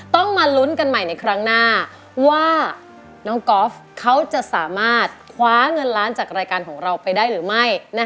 ต้องมาลุ้นกันใหม่ในครั้งหน้าว่าน้องก๊อฟเขาจะสามารถคว้าเงินล้านจากรายการของเราไปได้หรือไม่